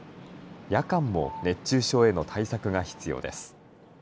夜間も熱中症への対策が必要です。